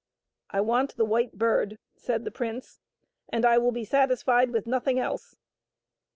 " I want the White Bird," said the prince ;" and I will be satisfied with nothing else."